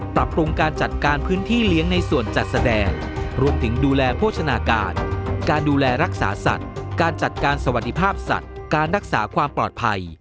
ปรับปรุงการจัดการพื้นที่เลี้ยงในส่วนจัดแสดงรวมถึงดูแลโภชนาการการดูแลรักษาสัตว์การจัดการสวัสดิภาพสัตว์การรักษาความปลอดภัย